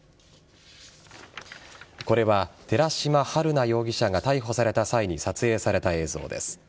これは寺島春奈容疑者が逮捕された際に撮影された映像です。